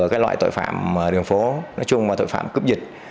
từ loại tội phạm đường phố nói chung là tội phạm cướp dịch